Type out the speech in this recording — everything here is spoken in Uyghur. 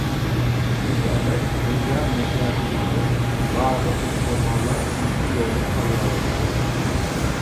بىز ئەمەس دۇنيا مىقياسىدىكى بارلىق مۇسۇلمانلار مۇشۇ يولنى تاللاۋاتىدۇ.